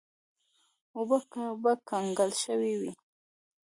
اوبه به کنګل شوې وې.